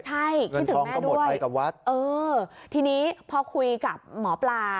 ใช่ที่ทองก็หมดไปกับวัดเออทีนี้พอคุยกับหมอปลา